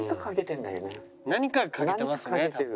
何かが欠けてますね多分。